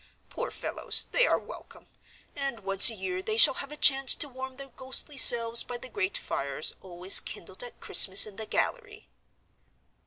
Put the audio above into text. Poor fellows, they are welcome, and once a year they shall have a chance to warm their ghostly selves by the great fires always kindled at Christmas in the gallery."